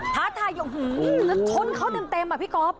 ท้าทายยมหื้อหื้อชนเขาเต็มอ่ะพี่ก๊อฟ